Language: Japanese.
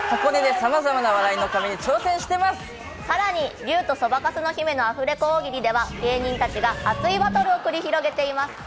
さらに『竜とそばかすの姫』のアフレコ大喜利では芸人たちが熱いバトルを繰り広げています。